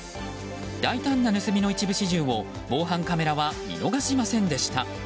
大胆な盗みの一部始終を防犯カメラは見逃しませんでした。